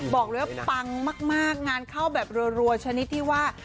บอกเลยว่าปังมากงานเข้าแบบรัวชนิดที่ว่า